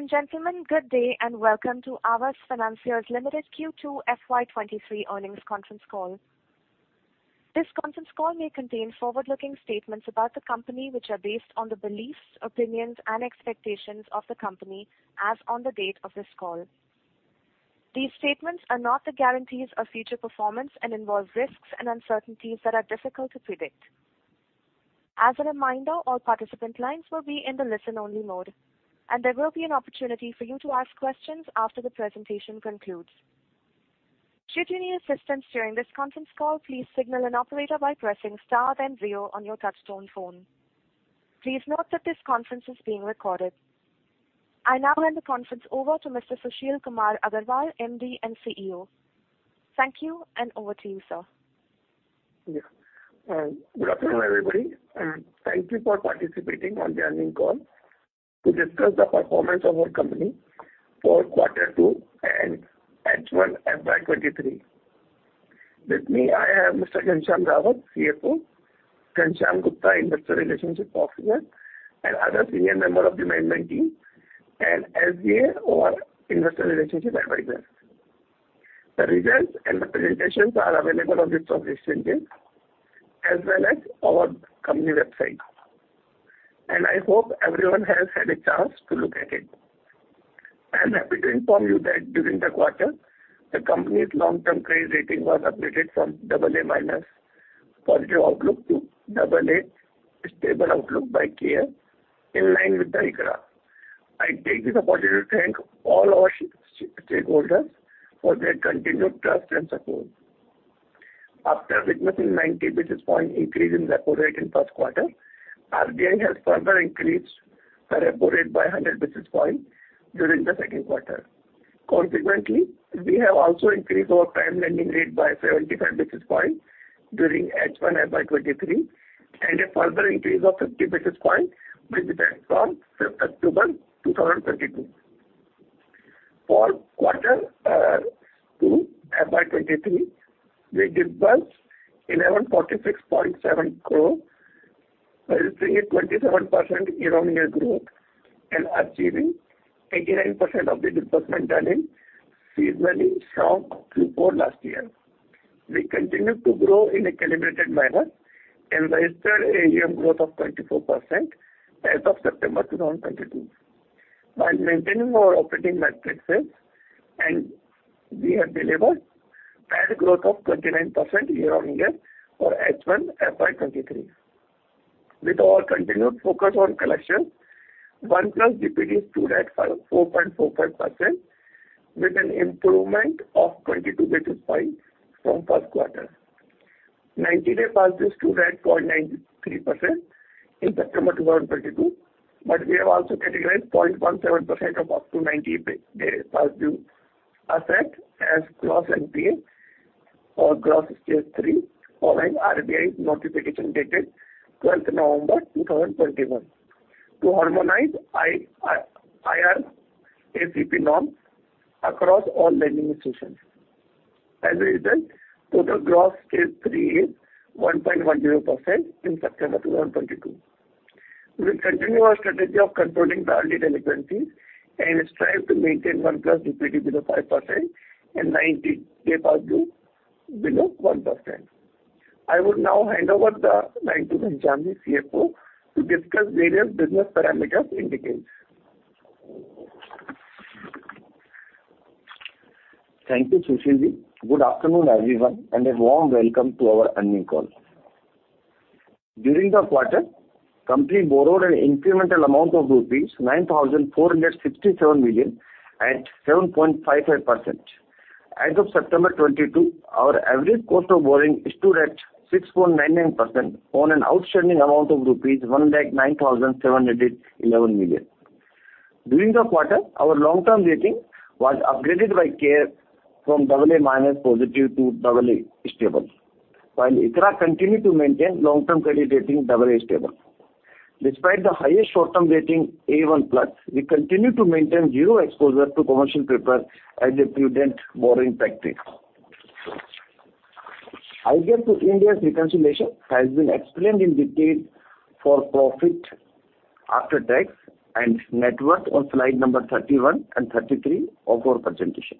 Ladies and gentlemen, good day and welcome to Aavas Financiers Limited Q2 FY 2023 earnings conference call. This conference call may contain forward-looking statements about the company, which are based on the beliefs, opinions and expectations of the company as on the date of this call. These statements are not the guarantees of future performance and involve risks and uncertainties that are difficult to predict. As a reminder, all participant lines will be in the listen-only mode, and there will be an opportunity for you to ask questions after the presentation concludes. Should you need assistance during this conference call, please signal an operator by pressing star then zero on your touchtone phone. Please note that this conference is being recorded. I now hand the conference over to Mr. Sushil Kumar Agarwal, MD and CEO. Thank you, and over to you, sir. Yeah. Good afternoon, everybody, and thank you for participating on the earnings call to discuss the performance of our company for quarter two and H1 FY 2023. With me, I have Mr. Ghanshyam Rawat, CFO, Ghanshyam Gupta, Investor Relations officer, and other senior member of the management team and SGA or Investor Relations advisor. The results and the presentations are available on the stock exchange as well as our company website, and I hope everyone has had a chance to look at it. I am happy to inform you that during the quarter, the company's long-term credit rating was upgraded from double A minus positive outlook to double A stable outlook by CARE in line with the ICRA. I take this opportunity to thank all our stakeholders for their continued trust and support. After witnessing 90 basis points increase in the repo rate in first quarter, RBI has further increased the repo rate by 100 basis points during the second quarter. Consequently, we have also increased our prime lending rate by 75 basis points during H1 FY 2023, and a further increase of 50 basis points will be there from 5th October 2022. For quarter two FY 2023, we disbursed INR 1,146.7 crore, registering a 27% year-on-year growth and achieving 89% of the disbursement done in seasonally strong Q4 last year. We continue to grow in a calibrated manner and registered AUM growth of 24% as of September 2022. By maintaining our operating metrics, we have delivered AUM growth of 29% year-on-year for H1 FY 2023. With our continued focus on collection, 1+ DPD stood at 4.45% with an improvement of 22 basis points from first quarter. Ninety-day past due stood at 0.93% in September 2022, but we have also categorized 0.17% of up to 90-day past due asset as gross NPA or gross stage three following RBI notification dated twelfth November 2021 to harmonize IRAC norms across all lending institutions. As a result, total gross stage three is 1.10% in September 2022. We continue our strategy of controlling borrower delinquencies and strive to maintain 1+ DPD below 5% and ninety-day past due below 1%. I would now hand over to Ghanshyam Rawat, CFO, to discuss various business parameters in detail. Thank you, Sushil. Good afternoon, everyone, and a warm welcome to our earnings call. During the quarter, company borrowed an incremental amount of rupees 9,467 million at 7.55%. As of September 22, our average cost of borrowing stood at 6.99% on an outstanding amount of rupees 109,711 million. During the quarter, our long-term rating was upgraded by CARE from double A minus positive to double A stable, while ICRA continue to maintain long-term credit rating double A stable. Despite the highest short-term rating, A1+, we continue to maintain zero exposure to commercial paper as a prudent borrowing practice. IGAAP to Ind AS reconciliation has been explained in detail for profit after tax and net worth on slide number 31 and 33 of our presentation.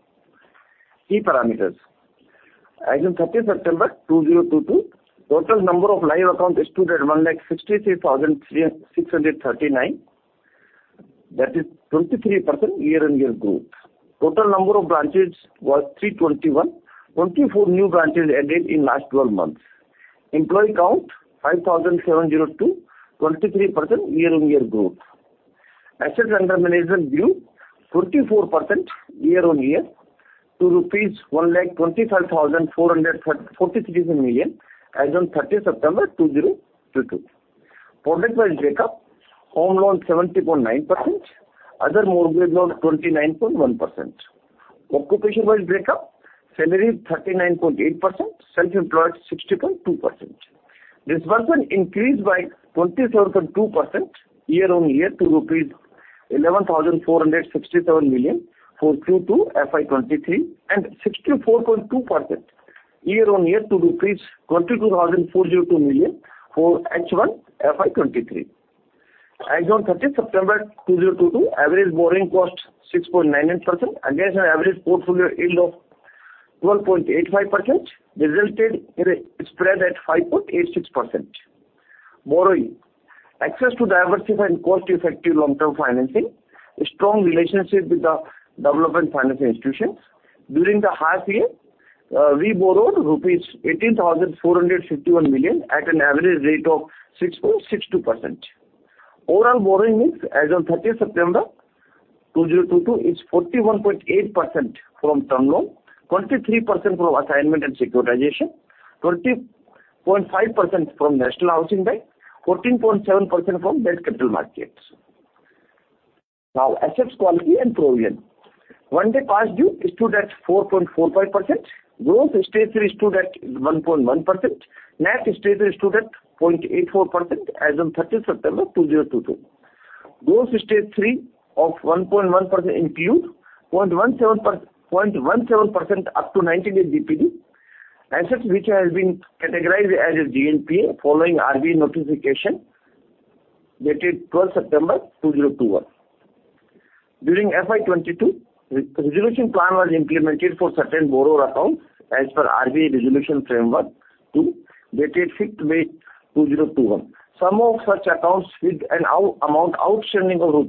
Key parameters. As on 30 September 2022, total number of live accounts stood at 1,63,639. That is 23% year-on-year growth. Total number of branches was 321. 24 new branches added in last 12 months. Employee count 5,702, 23% year-on-year growth. Assets under management grew 24% year-on-year to rupees 1,24,447 million as on 30 September 2022. Product-wise break-up, home loan 70.9%, other mortgage loan 29.1%. Occupation-wise break-up, salary 39.8%, self-employed 60.2%. Disbursement increased by 27.2% year-on-year to INR 11,467 million for Q2 FY23 and 64.2% year-on-year to INR 22,402 million for H1 FY 2023. As on 30 September 2022, average borrowing cost 6.98% against an average portfolio yield of 12.85% resulted in a spread at 5.86%. Borrowing access to diversified and cost-effective long-term financing. A strong relationship with the development financing institutions. During the half year, we borrowed rupees 18,451 million at an average rate of 6.62%. Overall borrowings as on 30 September 2022 is 41.8% from term loan, 23% from assignment and securitization, 20.5% from National Housing Bank, 14.7% from debt capital markets. Now asset quality and provision. One day past due stood at 4.45%. Gross stage three stood at 1.1%. Net stage three stood at 0.84% as on 30 September 2022. Gross stage three of 1.1% includes 0.17% up to 90 days DPD. Assets which has been categorized as GNPA following RBI notification dated 12 September 2021. During FY 2022, re-resolution plan was implemented for certain borrower accounts as per RBI resolution framework two dated 5 May 2021. Some of such accounts with an outstanding amount of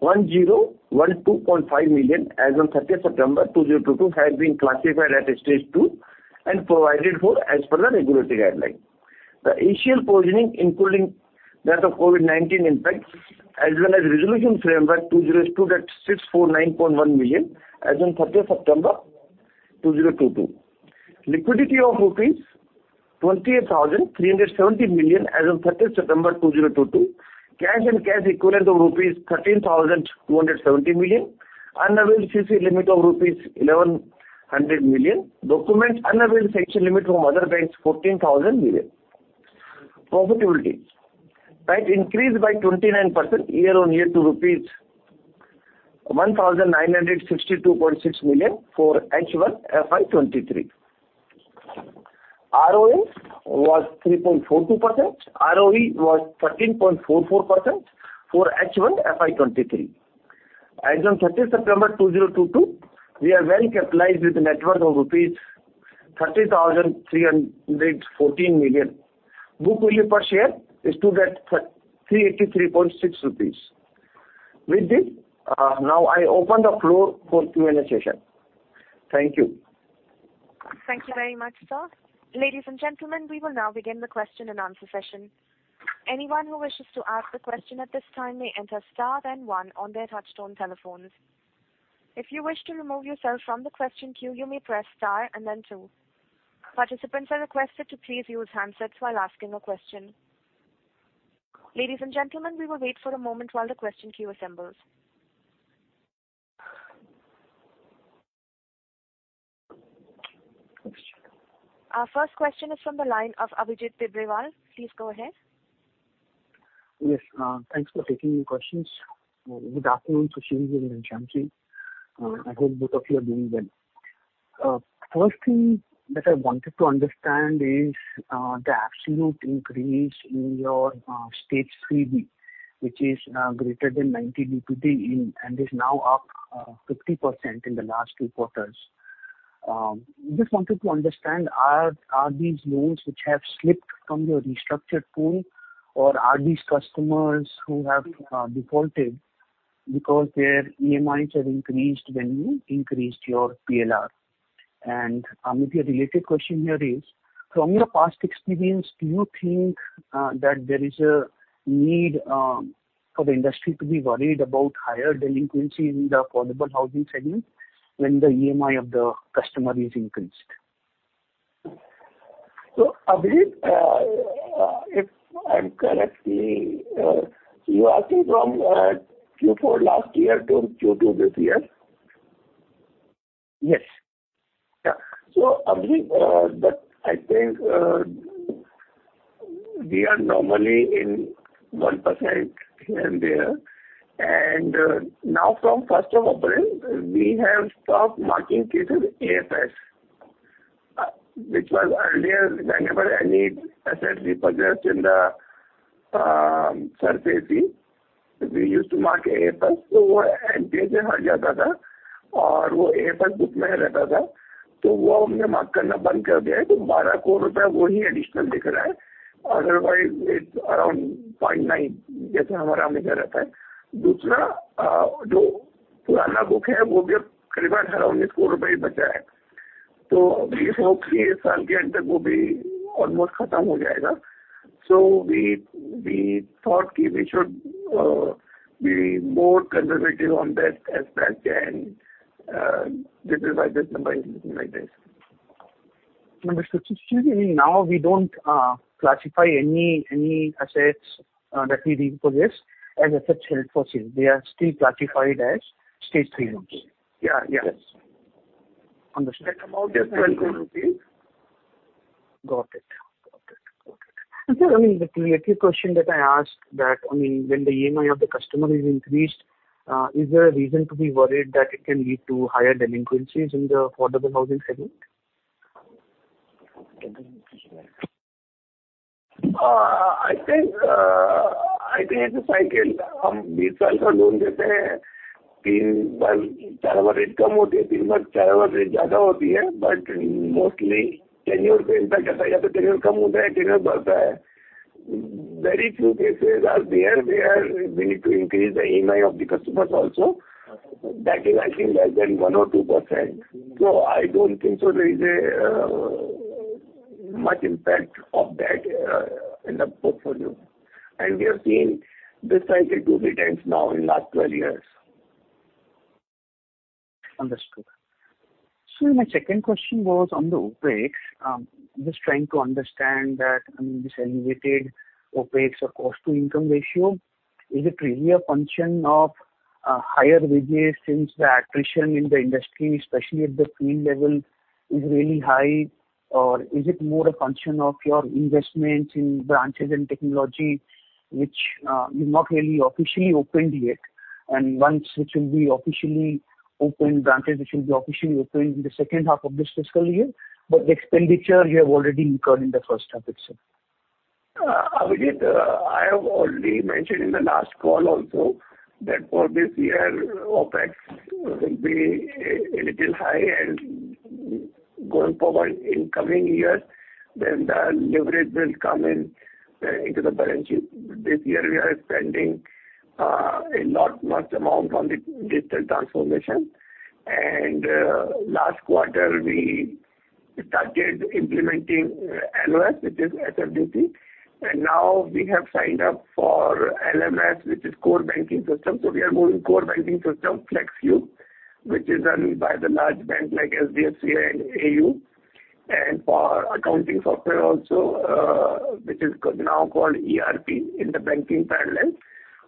rupees 1,012.5 million as on 30 September 2022 has been classified at stage two and provided for as per the regulatory guideline. The initial provisioning including that of COVID-19 impact as well as resolution framework 2.0 at 649.1 million as on 30 September 2022. Liquidity of INR 28,370 million as on 30 September 2022. Cash and cash equivalents of rupees 13,270 million. Unavailed CC limit of rupees 1,100 million. Undrawn unavailed sanction limit from other banks, 14,000 million. Profitability. That increased by 29% year-on-year to rupees 1,962.6 million for H1 FY 2023. ROA was 3.42%. ROE was 13.44% for H1 FY 2023. As on 30 September 2022, we are well capitalized with a net worth of rupees 30,314 million. Book value per share stood at 3,383.6 rupees. With this, now I open the floor for Q&A session. Thank you. Thank you very much, sir. Ladies and gentlemen, we will now begin the question and answer session. Anyone who wishes to ask a question at this time may enter star then one on their touchtone telephones. If you wish to remove yourself from the question queue, you may press star and then two. Participants are requested to please use handsets while asking a question. Ladies and gentlemen, we will wait for a moment while the question queue assembles. Our first question is from the line of Abhijit Tibrewal. Please go ahead. Yes, thanks for taking the questions. Good afternoon, Sushil and Ghanshyam. I hope both of you are doing well. First thing that I wanted to understand is the absolute increase in your stage 3B, which is greater than 90 DPD and is now up 50% in the last two quarters. Just wanted to understand are these loans which have slipped from your restructured pool or are these customers who have defaulted because their EMIs have increased when you increased your PLR? If a related question here is, from your past experience, do you think that there is a need for the industry to be worried about higher delinquency in the affordable housing segment when the EMI of the customer is increased? Abhijit, if I am correct, you are asking from Q4 last year to Q2 this year? Yes. Yeah. Abhijit, I think we are normally in 1% here and there. Now from April 1, we have stopped marking cases AFS, which was earlier whenever any asset we purchase in the third AC, we used to mark AFS. We thought that we should be more conservative on that aspect and revise this number something like this. Understood. Sushil, you mean now we don't classify any assets that we repossess as assets held for sale. They are still classified as stage three loans. Yeah. Yes. Understood. That amount is INR 12 crore. Got it. Sir, I mean, the related question that I asked, I mean, when the EMI of the customer is increased, is there a reason to be worried that it can lead to higher delinquencies in the affordable housing segment? I think it's a cycle. Understood. My second question was on the OpEx. Just trying to understand that, I mean, this elevated OpEx or cost-to-income ratio. Is it really a function of higher wages since the attrition in the industry, especially at the field level, is really high? Or is it more a function of your investments in branches and technology which you've not really officially opened yet, and ones which will be officially opened in the second half of this fiscal year, but the expenditure you have already incurred in the first half itself. Abhijit, I have already mentioned in the last call also that for this year, OpEx will be a little high and going forward in coming years, then the leverage will come in into the balance sheet. This year we are spending a lot amount on the digital transformation. Last quarter we started implementing LOS, which is SFDC, and now we have signed up for LMS, which is core banking system. We are moving core banking system Flexcube, which is run by the large bank like SBI and AU, and for accounting software also, which is now called ERP in the banking parlance.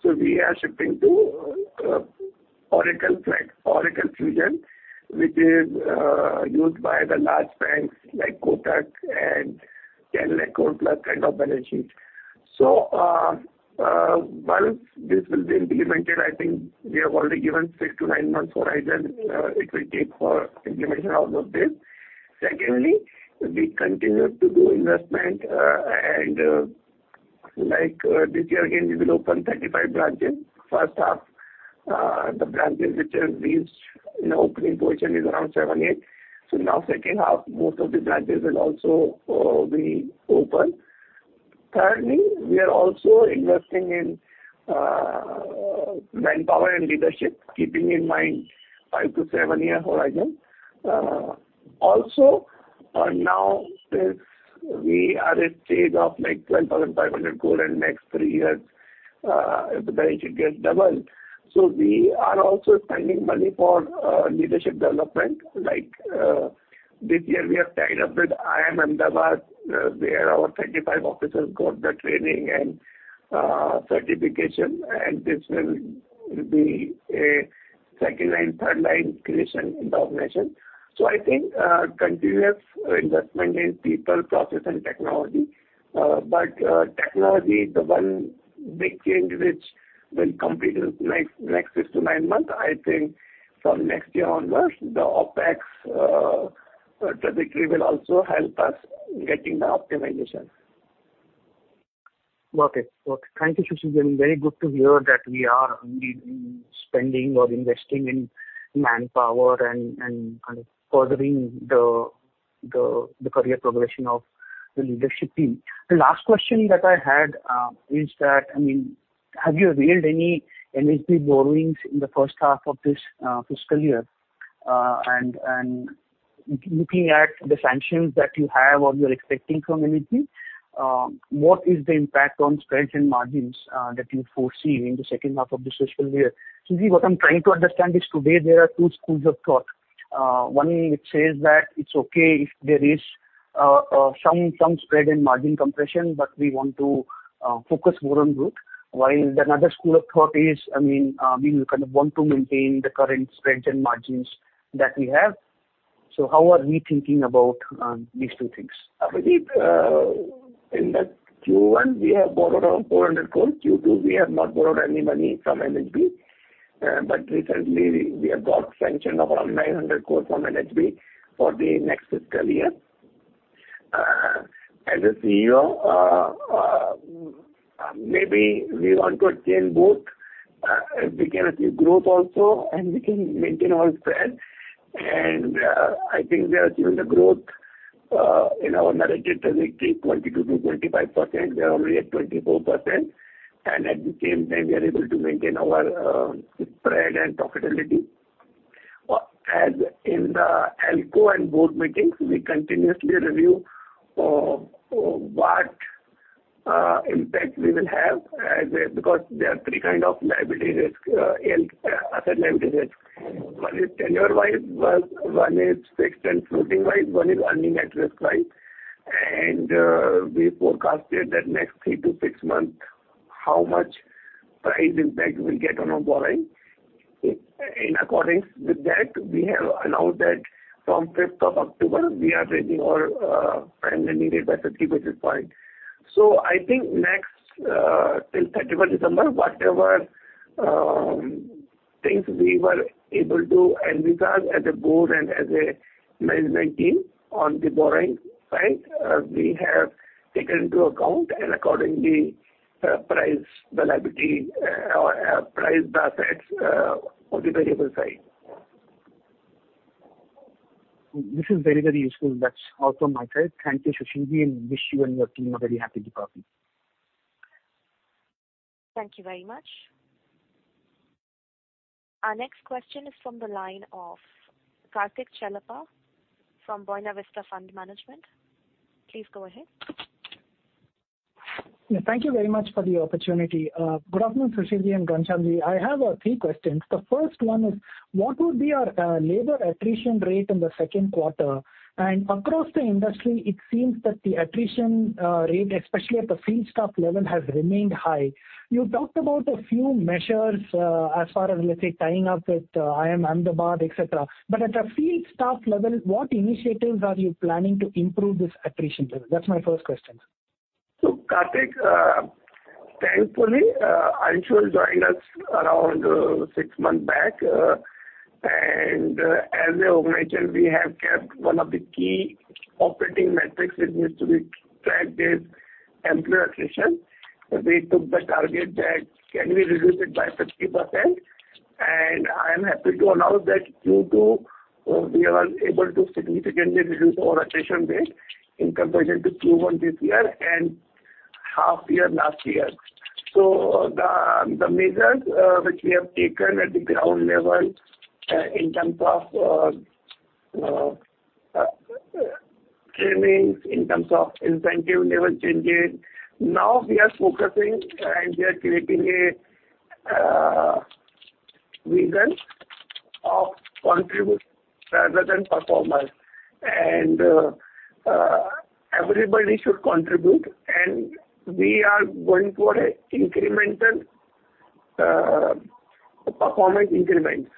We are shifting to Oracle suite, Oracle Fusion, which is used by the large banks like Kotak and Canara Bank Coco Plus kind of balance sheets. Once this will be implemented, I think we have already given 6-9 months horizon, it will take for implementation all of this. Secondly, we continue to do investment. Like, this year again, we will open 35 branches. First half, the branches which have reached an opening position is around seven, eight. Now second half, most of the branches will also be open. Thirdly, we are also investing in manpower and leadership, keeping in mind 5-7-year horizon. Also for now, since we are at stage of like 12,500 crore in next three years, if the balance sheet gets doubled. We are also spending money for leadership development. Like, this year we have tied up with IIM Ahmedabad, where our 35 officers got the training and, certification, and this will be a second line, third line creation in the organization. I think, continuous investment in people, process and technology. Technology, the one big change which will complete in next 6-9 months, I think from next year onwards, the OpEx trajectory will also help us getting the optimization. Thank you, Sushil. Very good to hear that we are spending or investing in manpower and furthering the career progression of the leadership team. The last question that I had, I mean, is that, have you availed any NHB borrowings in the first half of this fiscal year? And looking at the sanctions that you have or you're expecting from NHB, what is the impact on spreads and margins that you foresee in the second half of this fiscal year? Sushil, what I'm trying to understand is today there are two schools of thought. One which says that it's okay if there is some spread and margin compression, but we want to focus more on growth. While another school of thought is, I mean, we kind of want to maintain the current spreads and margins that we have. How are we thinking about these two things? Abhijit Tibrewal, in Q1 we have borrowed around 400 crore. Q2 we have not borrowed any money from NHB. But recently we have got sanction of around 900 crore from NHB for the next fiscal year. As a CEO, maybe we want to attain both. If we can achieve growth also and we can maintain our spread. I think we are achieving the growth in our narrative trajectory, 22%-25%. We are already at 24%. At the same time we are able to maintain our spread and profitability. As in the ALCO and board meetings, we continuously review what impact we will have. Because there are three kind of liability risk in asset liability risk. One is tenure wise, one is fixed and floating wise, one is earning at risk wise. We forecasted that next three to six months how much price impact we'll get on our borrowing. In accordance with that, we have allowed that from fifth of October we are raising our funding rate by 30 basis points. I think next till thirty-first December, whatever things we were able to envisage as a board and as a management team on the borrowing side, we have taken into account and accordingly price the liability or price the assets on the variable side. This is very, very useful. That's all from my side. Thank you, Sushil, and wish you and your team a very happy Diwali. Thank you very much. Our next question is from the line of Karthik Chellappa from Buena Vista Fund Management. Please go ahead. Yeah, thank you very much for the opportunity. Good afternoon, Sushil and Ghanshyam. I have three questions. The first one is, what would be your labor attrition rate in the second quarter? Across the industry it seems that the attrition rate, especially at the field staff level, has remained high. You talked about a few measures, as far as, let's say, tying up with IIM Ahmedabad, et cetera. But at the field staff level, what initiatives are you planning to improve this attrition level? That's my first question. Karthik, thankfully, Anshul joined us around six months back. As an organization, we have kept one of the key operating metrics which needs to be tracked is employee attrition. We took the target that can we reduce it by 50%. I am happy to announce that Q2, we are able to significantly reduce our attrition rate in comparison to Q1 this year and half year last year. The measures which we have taken at the ground level in terms of trainings, in terms of incentive level changes. Now we are focusing and we are creating a vision of contribute rather than performance. Everybody should contribute, and we are going for an incremental performance increment.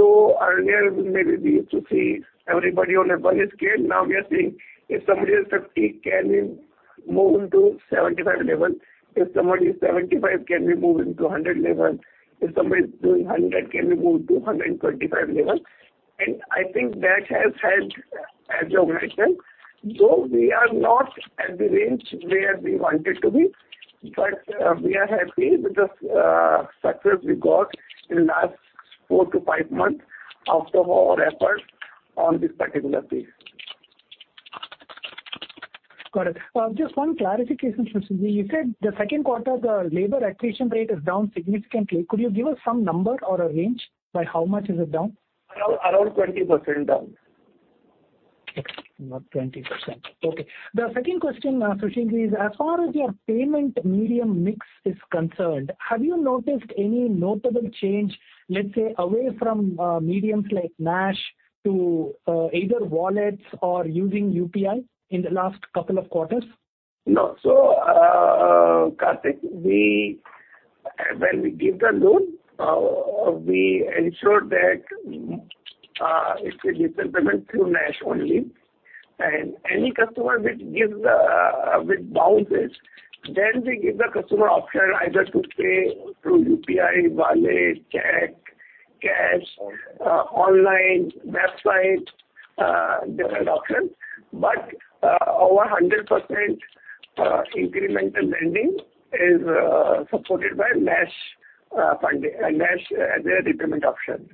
Earlier maybe we used to see everybody on a bonus scale. We are seeing if somebody is 50, can we move him to 75 level? If somebody is 75, can we move him to 100 level? If somebody is doing 100, can we move to 125 level? I think that has helped as an organization, though we are not at the range where we wanted to be, but we are happy with the success we got in last 4months-5 months after our effort on this particular piece. Got it. Just one clarification, Sushilji. You said the second quarter, the labor attrition rate is down significantly. Could you give us some number or a range by how much is it down? Around 20% down. Okay. Around 20%. Okay. The second question, Sushilji, is as far as your payment medium mix is concerned, have you noticed any notable change, let's say, away from mediums like NACH to either wallets or using UPI in the last couple of quarters? No. Karthik, when we give the loan, we ensure that it will be repayment through NACH only. Any customer which bounces, then we give the customer option either to pay through UPI, wallet, check, cash, online, website, different options. Over 100% incremental lending is supported by NACH funding, NACH as a repayment option.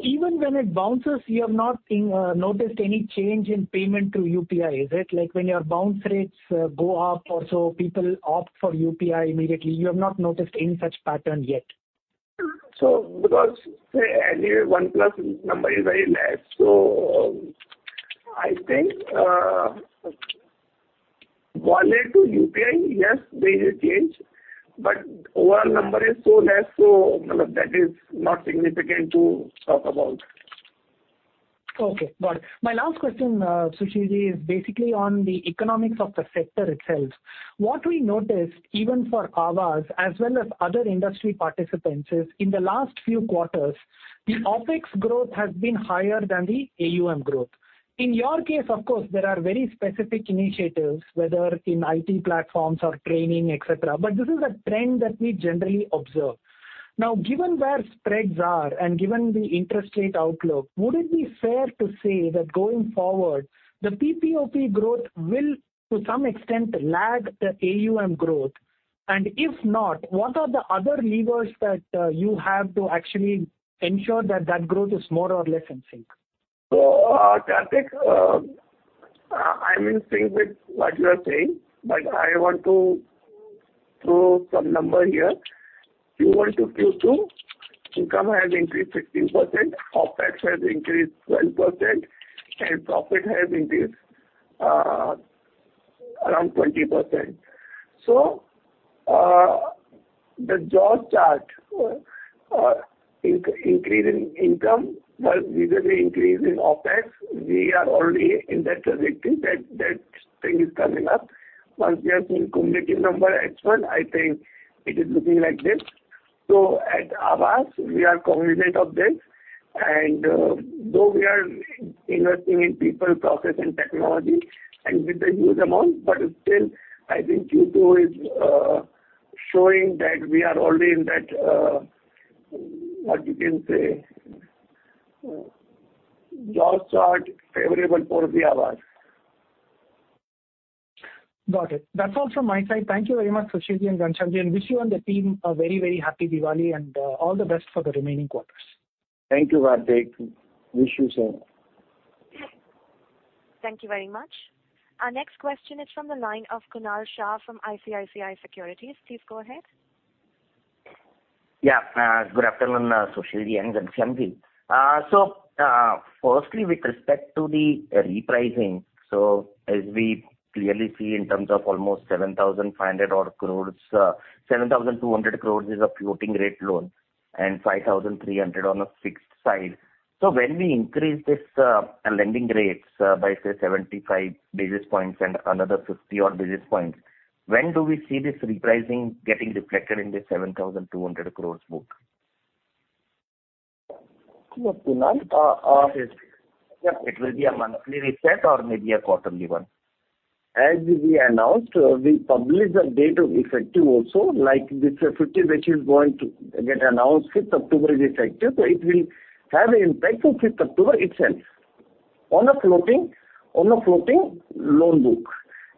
Even when it bounces, you have not noticed any change in payment through UPI, is it? Like when your bounce rates go up also people opt for UPI immediately. You have not noticed any such pattern yet? Because, say, anyway OnePlus number is very less. I think, wallet to UPI, yes, there is a change, but overall number is so less, so that is not significant to talk about. Okay, got it. My last question, Sushilji, is basically on the economics of the sector itself. What we noticed even for Aavas as well as other industry participants is in the last few quarters the OpEx growth has been higher than the AUM growth. In your case, of course, there are very specific initiatives, whether in IT platforms or training, et cetera, but this is a trend that we generally observe. Now, given where spreads are and given the interest rate outlook, would it be fair to say that going forward the PPOP growth will to some extent lag the AUM growth? And if not, what are the other levers that you have to actually ensure that that growth is more or less in sync? Karthik, I'm in sync with what you are saying, but I want to throw some number here. Q1 to Q2 income has increased 15%, OpEx has increased 12%, and profit has increased around 20%. The Jaws chart or increase in income was usually increase in OpEx. We are already in that trajectory that thing is coming up. Once we have seen cumulative number as well, I think it is looking like this. At Aavas, we are confident of this. Though we are investing in people, process, and technology, and with a huge amount, but still, I think Q2 is showing that we are already in that what you can say Jaws chart favorable for the Aavas. Got it. That's all from my side. Thank you very much, Sushil and Ghanshyam, and wish you and the team a very, very happy Diwali, and all the best for the remaining quarters. Thank you, Karthik. Wish you so. Thank you very much. Our next question is from the line of Kunal Shah from ICICI Securities. Please go ahead. Yeah. Good afternoon, Sushil and Ghanshyam. Firstly, with respect to the repricing, so as we clearly see in terms of almost 7,500 odd crores, 7,200 crores is a floating rate loan and 5,300 on a fixed side. When we increase this lending rates by say 75 basis points and another 50 odd basis points, when do we see this repricing getting reflected in the 7,200 crores book? Look, Kunal, Yes. It will be a monthly reset or maybe a quarterly one. As we announced, we publish the date of effective also, like this 50 which is going to get announced fifth October is effective, so it will have an impact on fifth October itself on a floating loan book.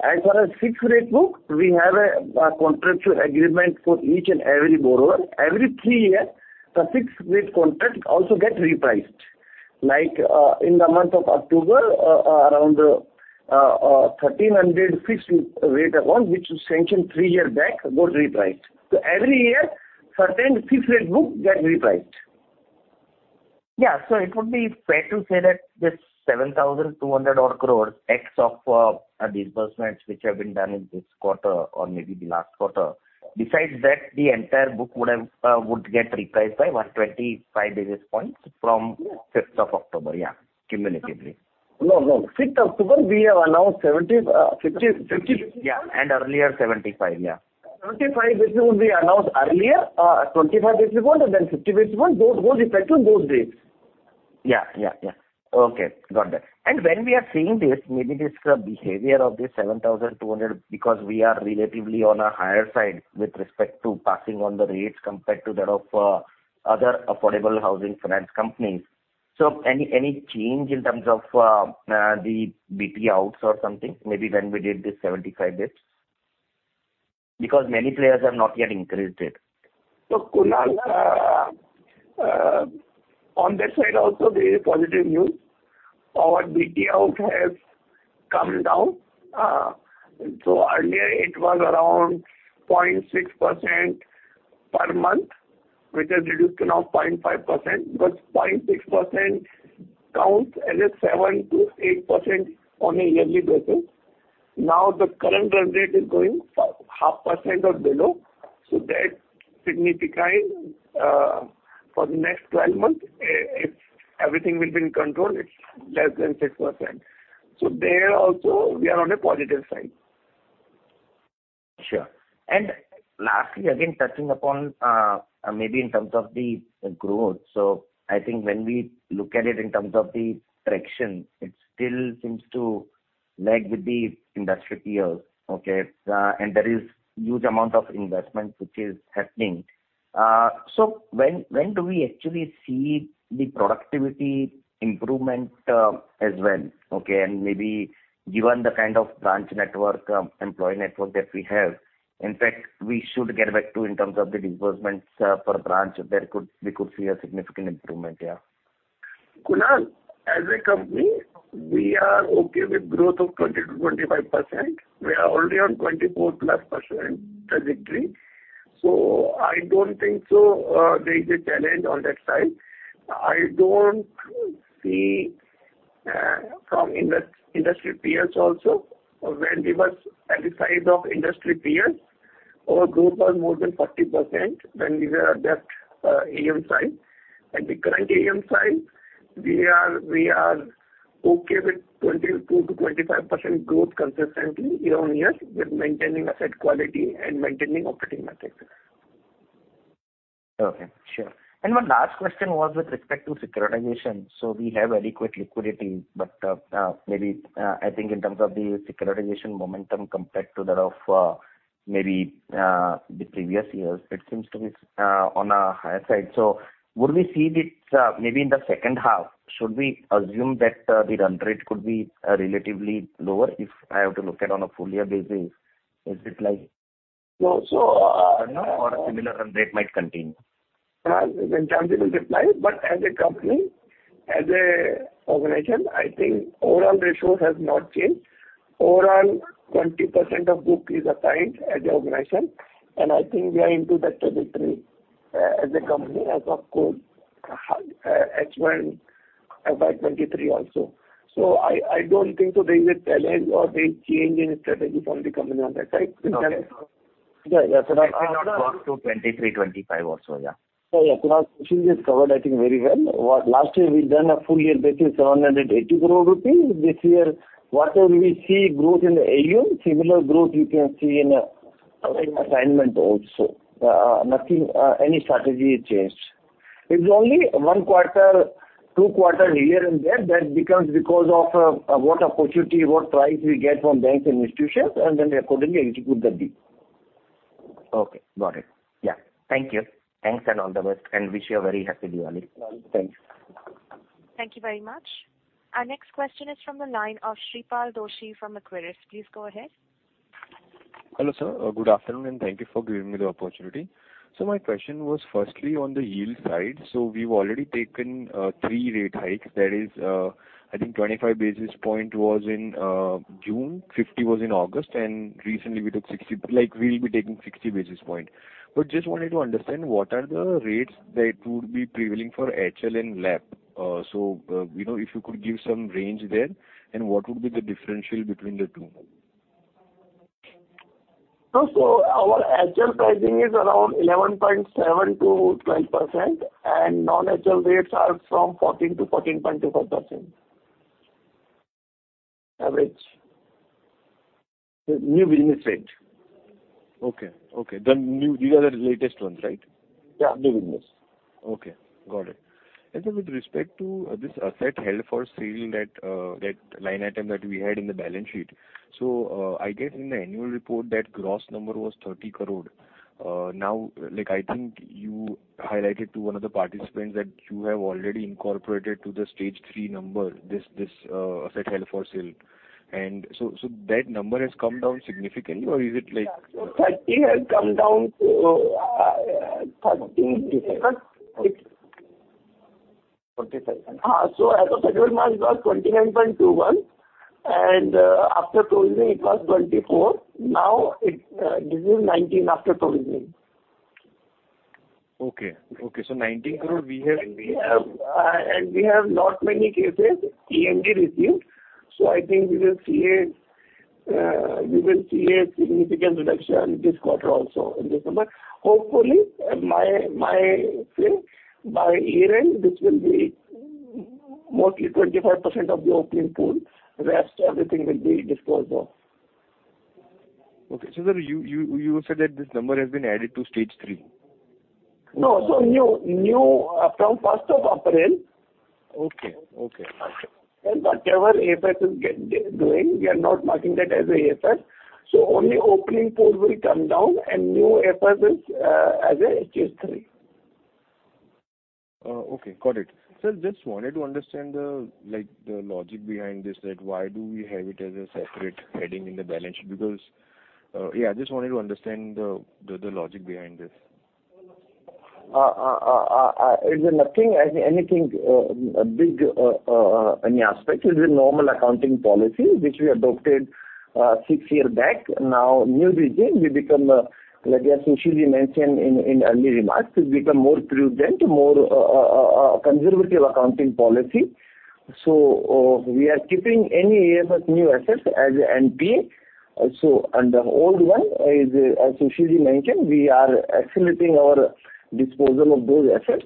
As for a fixed rate book, we have a contractual agreement for each and every borrower. Every three years, the fixed rate contract also get repriced. Like, in the month of October, around 1,300 fixed rate loans which was sanctioned three years back got repriced. So every year, certain fixed rate book get repriced. It would be fair to say that this 7,200-odd crore of disbursements which have been done in this quarter or maybe the last quarter. Besides that, the entire book would get repriced by 125 basis points from fifth of October. Cumulatively. No, no. 5th October, we have announced 70, 50- 50. Yeah. Earlier 75. Yeah. 75 basis points we announced earlier. 25 basis points and then 50 basis points, those go effective those days. When we are seeing this, maybe this, behavior of this 7,200 because we are relatively on a higher side with respect to passing on the rates compared to that of, other affordable housing finance companies. Any change in terms of, the BT outs or something, maybe when we did the 75 basis points? Because many players have not yet increased it. Kunal, on that side also there is a positive news. Our BT out has come down. Earlier it was around 0.6% per month, which has reduced to now 0.5%. Point six percent counts as a 7%-8% on a yearly basis. Now, the current run rate is going 0.5% or below. That's significant for the next 12 months, if everything will be in control, it's less than 6%. There also we are on a positive side. Sure. Lastly, again, touching upon maybe in terms of the growth. I think when we look at it in terms of the traction, it still seems to lag with the industry peers. Okay. There is huge amount of investment which is happening. When do we actually see the productivity improvement as well? Okay. Maybe given the kind of branch network, employee network that we have, in fact, we should get back to in terms of the disbursements per branch, we could see a significant improvement. Yeah. Kunal, as a company, we are okay with growth of 20%-25%. We are already on 24%+ trajectory. I don't think so, there is a challenge on that side. I don't see, from industry peers also. When we were at the size of industry peers, our growth was more than 40% when we were at that, AUM size. At the current AUM size, we are okay with 22%-25% growth consistently year-on-year with maintaining asset quality and maintaining operating metrics. Okay. Sure. One last question was with respect to securitization. We have adequate liquidity, but, maybe, I think in terms of the securitization momentum compared to that of, maybe, the previous years, it seems to be on a higher side. Would we see this, maybe in the second half? Should we assume that the run rate could be relatively lower if I have to look at on a full year basis? Is it like? So, so, uh- A similar run rate might continue? Ghanshyamji will reply. As a company, as a organization, I think overall ratio has not changed. Overall, 20% of book is a tied as a organization, and I think we are into that trajectory as a company as of course, H1 FY 2023 also. I don't think so there is a challenge or big change in strategy from the company on that side. Okay. Yeah, yeah. Now That cannot go to 23, 25 also, yeah. Yeah. Now Sushil has covered, I think, very well. What last year we've done a full year basis 780 crore rupees. This year, whatever we see growth in the AUM, similar growth you can see in assignment also. Nothing, any strategy changed. It's only one quarter, two quarter here and there that becomes because of what opportunity, what price we get from banks and institutions, and then we accordingly execute the deal. Okay, got it. Yeah. Thank you. Thanks and all the best, and wish you a very happy Diwali. Thanks. Thank you very much. Our next question is from the line of Shreepal Doshi from Equirus. Please go ahead. Hello, sir. Good afternoon, and thank you for giving me the opportunity. My question was firstly on the yield side. We've already taken three rate hikes. That is, I think 25 basis point was in June, 50 was in August, and recently we took 60. Like, we'll be taking 60 basis point. But just wanted to understand what are the rates that would be prevailing for HL and LAP. You know, if you could give some range there, and what would be the differential between the two? Our HL pricing is around 11.7%-12%, and non-HL rates are from 14%-14.25%. Average new business rate. Okay. These are the latest ones, right? Yeah, new business. Okay, got it. With respect to this asset held for sale, that line item that we had in the balance sheet, so I guess in the annual report that gross number was 30 crore. Now, like, I think you highlighted to one of the participants that you have already incorporated to the stage three number, this asset held for sale. So that number has come down significantly or is it like? Yeah. 30 has come down to 13. Forty-seven. As of February month it was 29.21%, and after provisioning it was 24%. Now this is 19% after provisioning. 19 crore we have. We have not many cases EMD received. I think we will see a significant reduction this quarter also in this number. Hopefully, my feel by year end this will be mostly 25% of the opening pool. The rest everything will be disposed of. Okay. Sir, you said that this number has been added to stage three? No. New from first of April. Okay. Gotcha. Whatever AFS is doing, we are not marking that as AFS. Only opening pool will come down and new AFS is as H3. Okay. Got it. Sir, just wanted to understand the, like, the logic behind this, that why do we have it as a separate heading in the balance sheet? Just wanted to understand the logic behind this. It's nothing as anything big any aspect. It's a normal accounting policy which we adopted six year back. Now new regime we become like as Sushil mentioned in early remarks, we become more prudent, more conservative accounting policy. We are keeping any AFS new assets as NPA. Under old one is, as Sushil mentioned, we are accelerating our disposal of those assets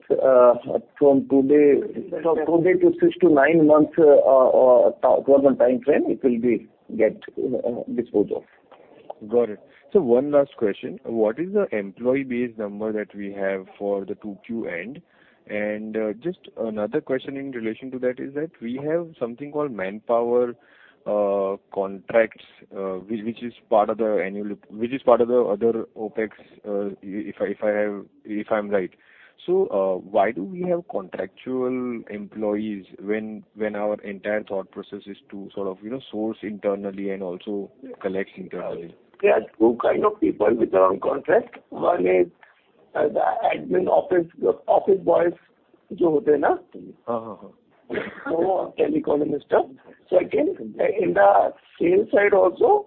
from today to 6-9 months timeframe it will be get disposed of. Got it. One last question. What is the employee base number that we have for the 2Q end? And just another question in relation to that is that we have something called manpower contracts, which is part of the other OpEx, if I'm right. Why do we have contractual employees when our entire thought process is to sort of, you know, source internally and also collect internally? There are two kinds of people with their own contract. One is the admin office boys. Uh-huh. Telecall and stuff. Second, in the sales side also.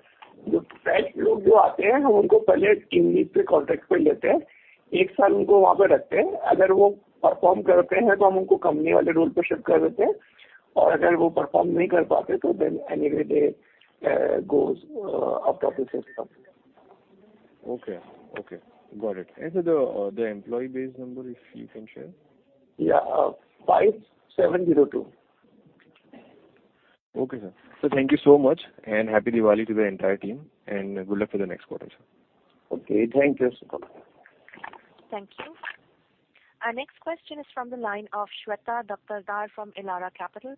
Okay. Got it. The employee base number, if you can share. Yeah. 5,702. Okay, sir. Thank you so much, and happy Diwali to the entire team, and good luck for the next quarter, sir. Okay, thank you. Thank you. Our next question is from the line of Shweta Daptardar from Elara Capital.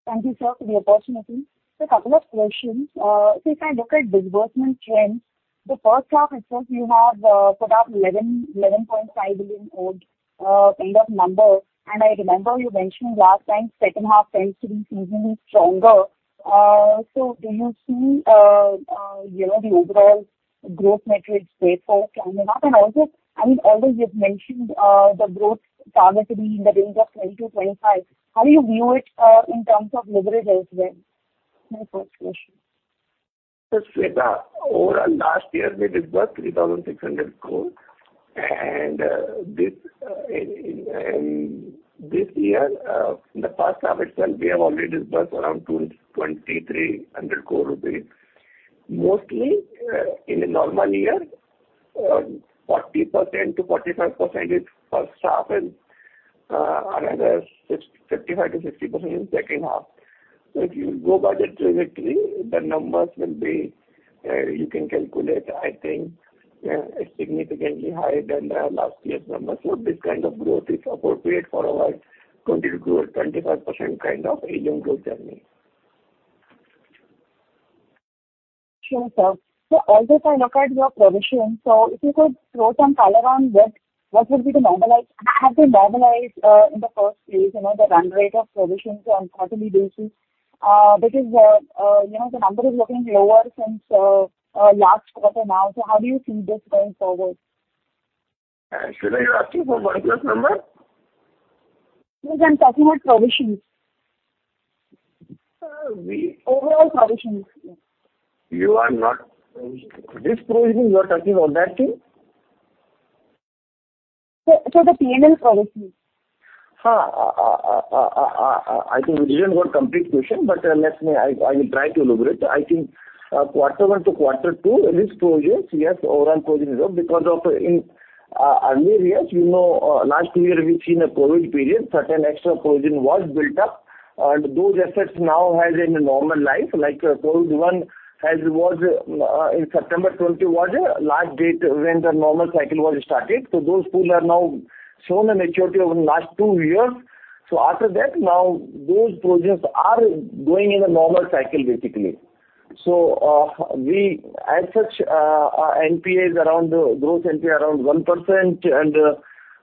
Please go ahead. Thank you, sir, for the opportunity. A couple of questions. If I look at disbursement trends, the first half itself you have put up 11.5 billion overall kind of number. I remember you mentioning last time second half tends to be seasonally stronger. Do you see, you know, the overall growth metrics favor climbing up? Also, I mean, although you've mentioned the growth target to be in the range of 20%-25%, how do you view it in terms of leverage as well? My first question. Shweta, over last year, we disbursed 3,600 crore and this year, in the first half itself, we have already disbursed around 2,300 crore rupees. Mostly, in a normal year, 40%-45% is first half and another 55%-60% in second half. If you go by the trajectory, the numbers will be. You can calculate. I think it's significantly higher than the last year's numbers. This kind of growth is appropriate for our 20%-25% kind of AUM growth journey. Sure, sir. Also if I look at your provision, if you could throw some color on how to normalize in the first phase, you know, the run rate of provisions on quarterly basis, because you know, the number is looking lower since last quarter now. How do you see this going forward? Shweta, you're asking for minus number? Yes, I'm talking about provisions. Uh, we- Overall provisions. This provision you are talking of that thing? the P&L provisions. I think you didn't give complete question, but let me. I will try to elaborate. I think, quarter one to quarter two, risk provisions, yes, overall provisions are up because of in early years, you know, last year we've seen a COVID-19 period, certain extra provision was built up, and those assets now has a normal life like COVID-19 one has was, in September 2020 was a large date when the normal cycle was started. Those pool are now shown a maturity over the last two years. After that, now those provisions are going in a normal cycle, basically. We as such, NPAs around, gross NPA around 1% and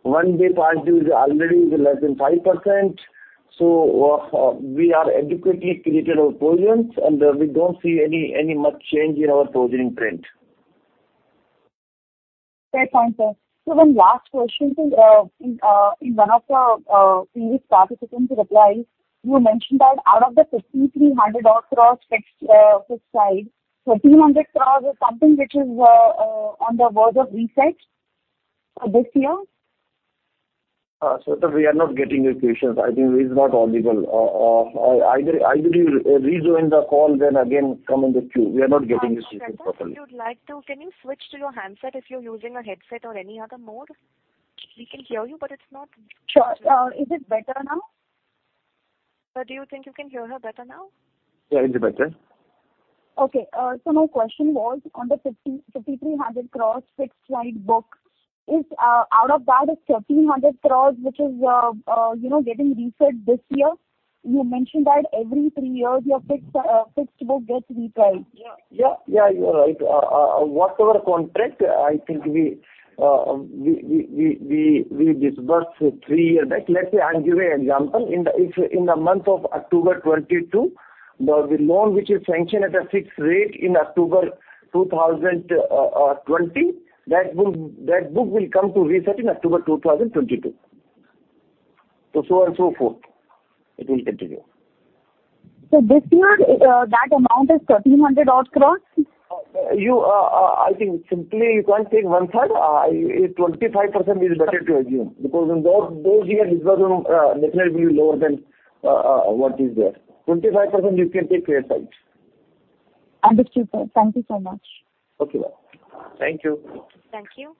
one-day past due is already less than 5%. We have adequately created our provisions, and we don't see any much change in our provisioning trend. Fair point, sir. One last question, sir. In one of the previous participant replies, you mentioned that out of the 5,300-odd crore fixed side, 1,300 crore is something which is on the verge of reset for this year. Shweta, we are not getting your questions. I think it is not audible. Either you rejoin the call then again come in the queue. We are not getting your questions properly. Shweta, if you'd like to, can you switch to your handset if you're using a headset or any other mode? We can hear you, but it's not. Sure. Is it better now? Sir, do you think you can hear her better now? Yeah, it is better. Okay. My question was on the 5,300 crore fixed side book. Is out of that 1,300 crore, which is, you know, getting reset this year? You mentioned that every three years your fixed book gets repriced. Yeah, you're right. Whatever contract, I think we disburse three years back. Let's say I'll give you an example. If in the month of October 2022, the loan which is sanctioned at a fixed rate in October 2020, that book will come to reset in October 2022. On, so forth, it will continue. This year, that amount is 1,300 odd crore? I think simply you can't take one side. If 25% is better to assume, because in those years disbursement naturally be lower than what is there. 25% you can take fair side. Understood, sir. Thank you so much. Okay, bye. Thank you. Thank you.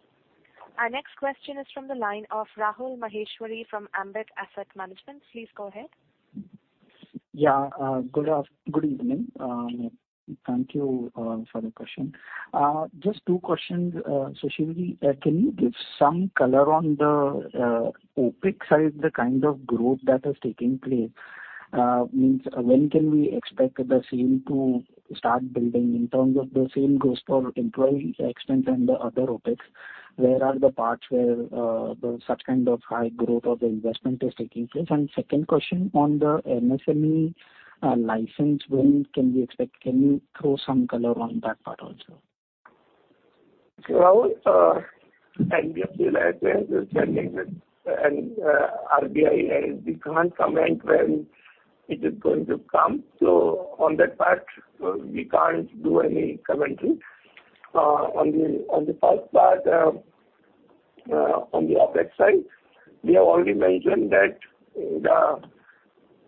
Our next question is from the line of Rahul Maheshwary from Ambit Asset Management. Please go ahead. Yeah. Good evening. Thank you for the question. Just two questions. Sushil, can you give some color on the OpEx side, the kind of growth that is taking place? Means when can we expect the same to start building in terms of the same growth for employee expense and the other OpEx? Where are the parts where the such kind of high growth of the investment is taking place? Second question on the MSME license, when can we expect? Can you throw some color on that part also? Rahul, NBFC license is pending with RBI and we can't comment when it is going to come. On that part, we can't do any commenting. On the first part, on the OpEx side, we have already mentioned that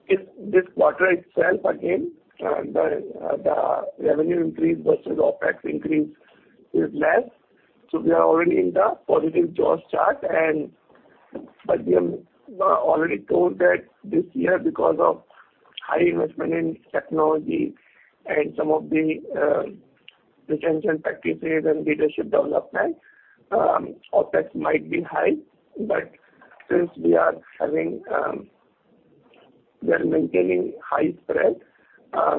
this quarter itself again, the revenue increase versus OpEx increase is less. We are already in the positive jaws chart. We have already told that this year because of high investment in technology and some of the retention practices and leadership development, OpEx might be high. Since we are having, we are maintaining high spread,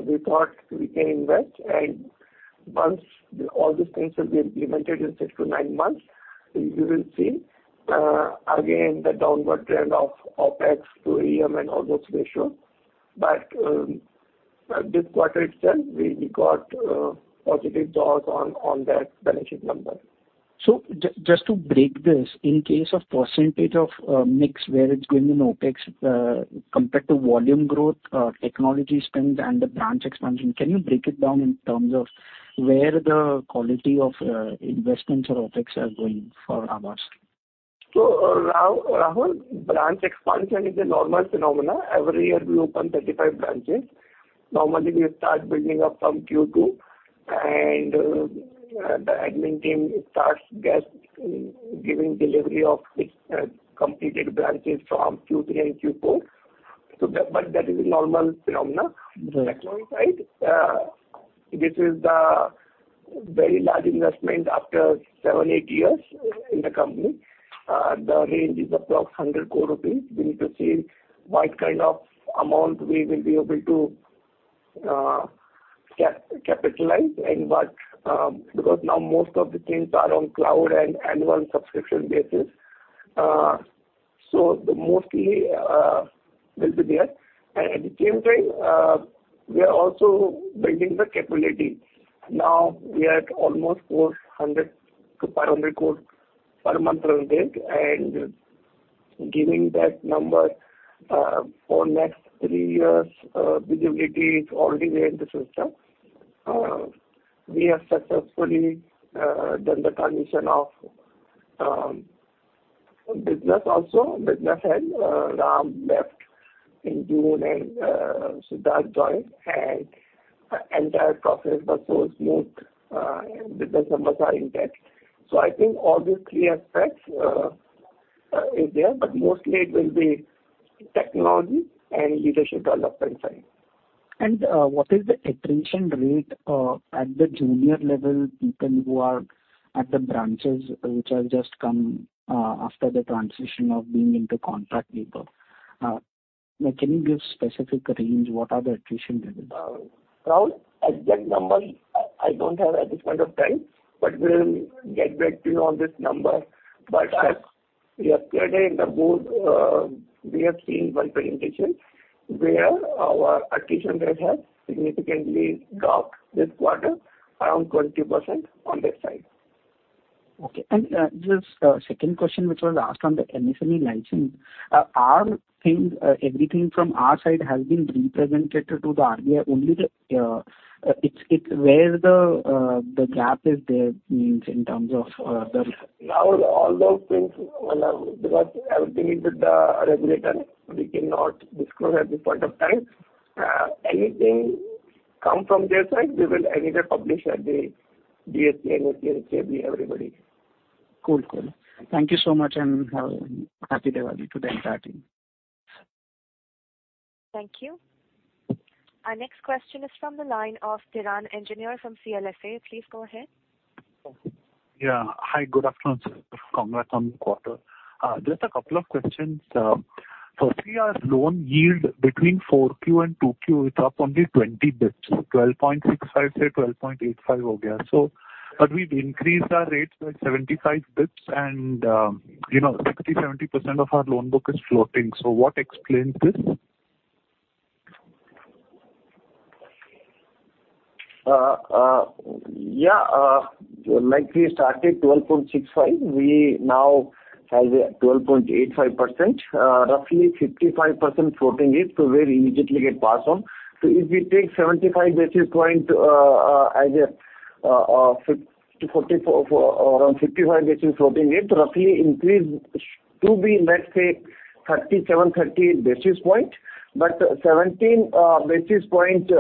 we thought we can invest. Once all these things will be implemented in 6-9 months, you will see, again, the downward trend of OpEx to AUM and all those ratio. This quarter itself, we got positive jaws on that benefit number. Just to break this, in case of percentage of mix where it's going in OpEx, compared to volume growth, technology spend and the branch expansion, can you break it down in terms of where the quality of investments or OpEx are going for Aavas? Rahul, branch expansion is a normal phenomena. Every year we open 35 branches. Normally, we start building up from Q2 and the admin team starts giving delivery of its completed branches from Q3 and Q4. But that is a normal phenomena. Mm-hmm. Technology side, this is the very large investment after 7 years-8 years in the company. The range is approx 100 crore rupees. We need to see what kind of amount we will be able to capitalize and what, because now most of the things are on cloud and annual subscription basis. So mostly will be there. At the same time, we are also building the capability. Now we are at almost 400-500 crore per month revenue and giving that number for next 3 years, visibility is already there in the system. We have successfully done the transition of business also. Business head, Ram left in June and Siddharth joined and entire process was smooth and business numbers are intact. I think all these three aspects are there, but mostly it will be technology and leadership development side. What is the attrition rate at the junior level, people who are at the branches which have just come after the transition of being into contract labor? Can you give specific range? What are the attrition levels? Rahul Maheshwary, exact number I don't have at this point of time, but we'll get back to you on this number. Yesterday in the board, we have seen one presentation where our attrition rate has significantly dropped this quarter around 20% on that side. Okay. Just a second question, which was asked on the NBFC license. Everything from our side has been represented to the RBI? Only the, it's where the gap is there means in terms of, the- Now all those things, because everything is with the regulator, we cannot disclose at this point of time. Anything come from their side, we will either publish at the BSE, NSE, and everybody. Cool. Thank you so much, and have a happy Diwali to the entire team. Thank you. Our next question is from the line of Piran Engineer from CLSA. Please go ahead. Yeah. Hi, good afternoon, sir. Congrats on the quarter. Just a couple of questions. We have loan yield between 4Q and 2Q is up only 20 basis points. 12.65%-12.85% We've increased our rates by 75 basis points and, you know, 60-70% of our loan book is floating. What explains this? Yeah. Like we started 12.65, we now have a 12.85%, roughly 55% floating rates, so they immediately get passed on. If we take 75 basis points, as a 54, around 55 basis points floating rate, roughly increase to be, let's say, 37, 30 basis points. But 17 basis points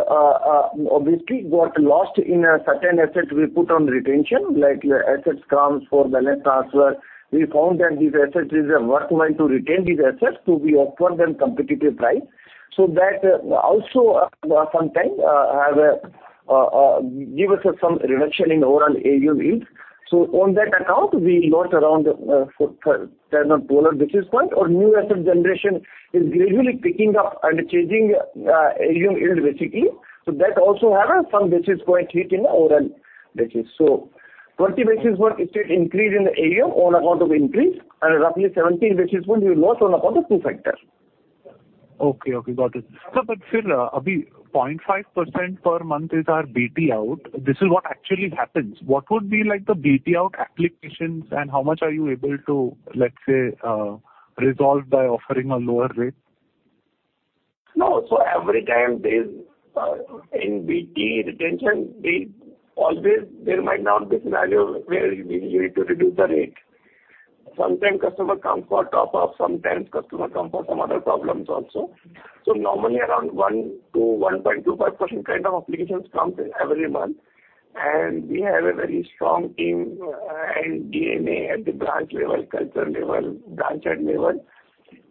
obviously got lost in certain assets we put on retention, like assets comes for balance transfer. We found that these assets is worthwhile to retain these assets so we offer them competitive price. That also sometimes have to give us some reduction in overall AUM yield. On that account, we lost around 10 or 12 basis point. Our new asset generation is gradually picking up and changing AUM yield basically. That also have a some basis point hit in the overall basis. 20 basis point is the increase in the AUM on account of increase and roughly 17 basis point we lost on account of the two factor. Okay. Got it. Sir, 0.5% per month is our BT out. This is what actually happens. What would be like the BT out applications and how much are you able to, let's say, resolve by offering a lower rate? No. Every time there's in BT retention, we always there might not be scenario where we need to reduce the rate. Sometimes customer comes for top up, sometimes customer come for some other problems also. Normally around 1-1.25% kind of applications comes in every month. We have a very strong team and DNA at the branch level, culture level, branch head level,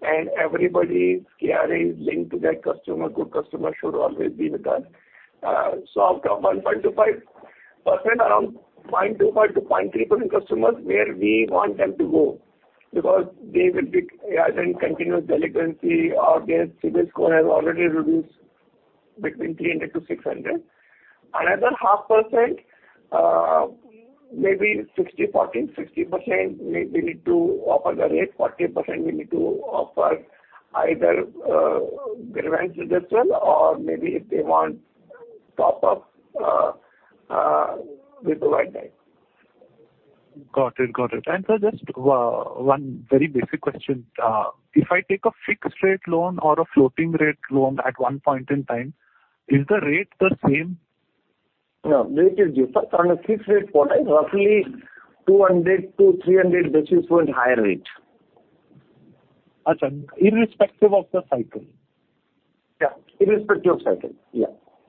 and everybody's care is linked to that customer. Good customer should always be with us. Out of 1.25%, around 0.25%-0.3% customers where we want them to go because they will be either in continuous delinquency or their CIBIL score has already reduced between 300-600. Another half percent, maybe 60%, 14%. 60% we may need to offer the rate. 14% we need to offer either grievance reduction or maybe if they want top up, we provide that. Got it. Just one very basic question. If I take a fixed rate loan or a floating rate loan at one point in time, is the rate the same? No, rate is different. On a fixed rate product, roughly 200-300 basis points higher rate. Achha. Irrespective of the cycle. Yeah. Irrespective of cycle, yeah.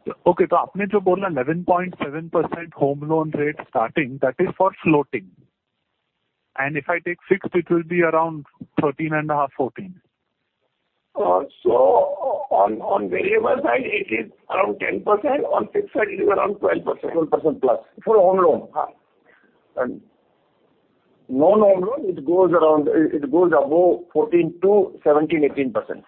Okay. To aapne jo bola 11.7% home loan rate starting, that is for floating. If I take fixed, it will be around 13.5%-14%. On variable side it is around 10%. On fixed side it is around 12%. 12%+. For home loan. Ha. Non-home loan, it goes above 14 to 17, 18%.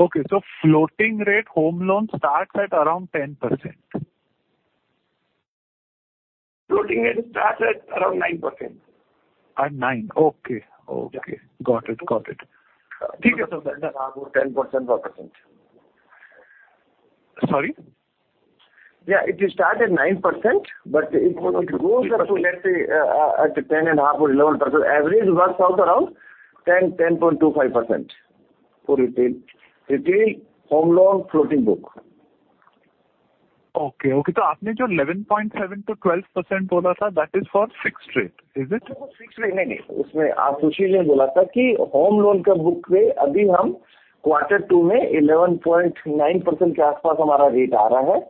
Okay. Floating rate home loan starts at around 10%. Floating rate starts at around 9%. At 9. Okay. Yeah. Got it. Theek hai, sir. 10%. Sorry? Yeah. It will start at 9%, but it goes up to let's say at 10.5 or 11%. Average it works out around 10.25% for retail home loan floating book. Okay. Aapne jo 11.7%-12% bola tha, that is for fixed rate. Is it? Fixed rate. Nahi, nahi. Usme aap usi ne bola tha ki home loan ka book rate abhi hum quarter two mein 11.9% ke aas pass hamara rate aa raha hai.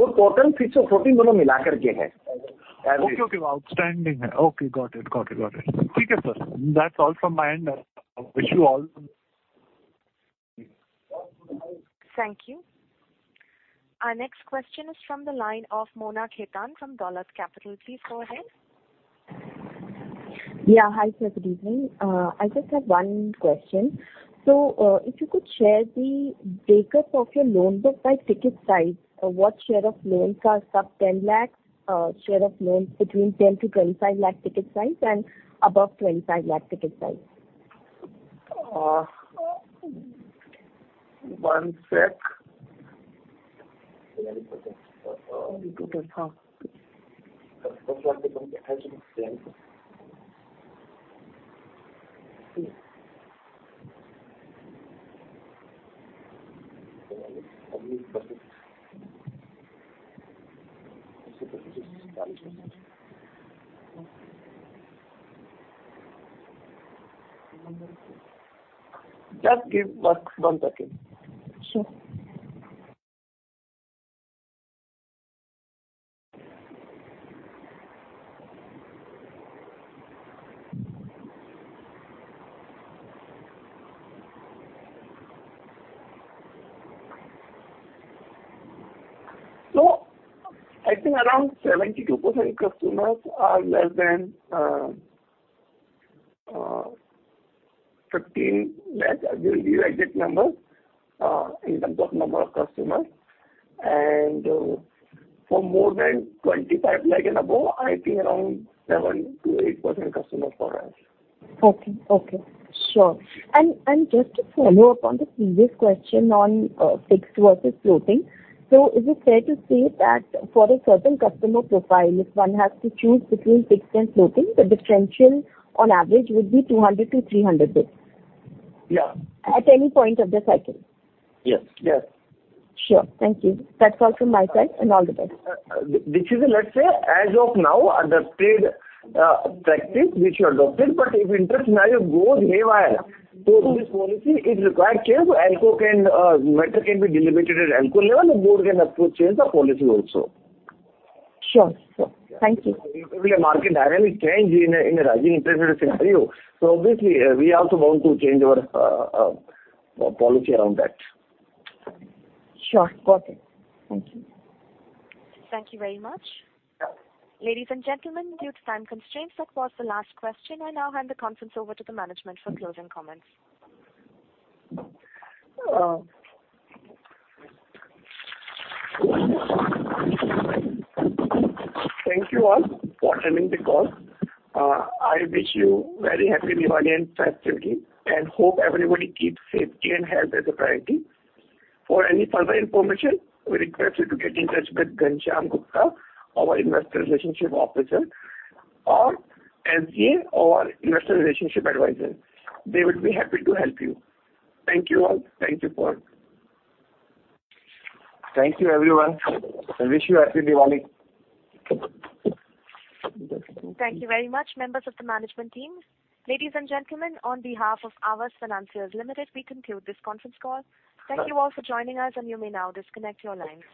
Woh total fixed aur floating dono mila kar ke hai. Average. Okay. Outstanding. Okay. Got it. Theek hai, sir. That's all from my end. I wish you all. Thank you. Our next question is from the line of Mona Khetan from Dolat Capital. Please go ahead. Yeah. Hi, sir. Good evening. I just have one question. If you could share the break-up of your loan book by ticket size. What share of loans are sub 10 lakhs, share of loans between 10 lakh-25 lakh ticket size and above 25 lakh ticket size? One sec. Just give one second. Sure. I think around 72% customers are less than 15 lakhs. I give you the exact number in terms of number of customers. For more than 25 lakh and above, I think around 7%-8% customers for us. Okay. Sure. Just to follow up on the previous question on fixed versus floating. Is it fair to say that for a certain customer profile, if one has to choose between fixed and floating, the differential on average would be 200-300 basis? Yeah. At any point of the cycle. Yes. Yes. Sure. Thank you. That's all from my side, and all the best. This is a, let's say, as of now, adopted practice which we adopted. If interest scenario goes haywire, this policy is required change. ALCO can matter can be deliberated at ALCO level. The board can approve change of policy also. Sure, sure. Thank you. If the market dramatically change in a rising interest rate scenario, so obviously we are also bound to change our policy around that. Sure. Got it. Thank you. Thank you very much. Ladies and gentlemen, due to time constraints, that was the last question. I now hand the conference over to the management for closing comments. Well. Thank you all for attending the call. I wish you very happy Diwali and festivity, and hope everybody keeps safety and health as a priority. For any further information, we request you to get in touch with Ghanshyam Gupta, our Investor Relations Officer, or SGA or Investor Relations Advisor. They would be happy to help you. Thank you all. Thank you for. Thank you, everyone, and wish you happy Diwali. Thank you very much, members of the management team. Ladies and gentlemen, on behalf of Aavas Financiers Limited, we conclude this conference call. Thank you all for joining us, and you may now disconnect your lines.